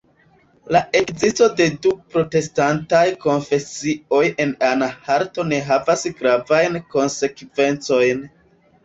La ekzisto de du protestantaj konfesioj en Anhalto ne havis gravajn konsekvencojn.